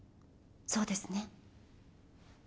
そうですね？